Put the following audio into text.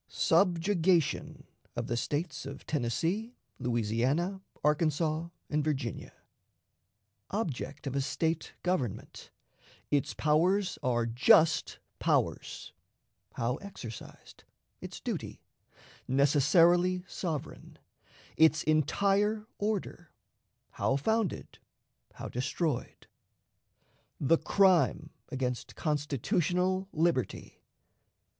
Subjugation of the States of Tennessee, Louisiana, Arkansas, and Virginia. Object of a State Government; its Powers are "Just Powers"; how exercised; its Duty; necessarily sovereign; its Entire Order; how founded; how destroyed. The Crime against Constitutional Liberty.